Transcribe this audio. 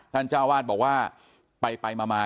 ท่านเจ้าวาสบอกว่าไปมา